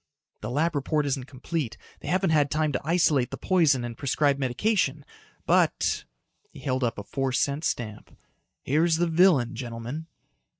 "The lab report isn't complete. They haven't had time to isolate the poison and prescribe medication. But" he held up a four cent stamp "here's the villain, gentlemen."